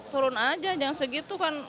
turun aja jangan segitu kan